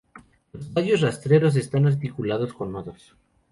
La tallos rastreros están articulados con nodos.